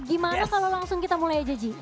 gimana kalau langsung kita mulai aja ji